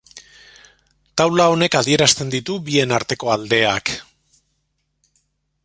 Taula honek adierazten ditu bien arteko aldeak.